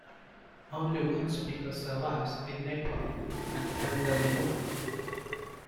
Only one speaker survives in Nepal, an elderly woman.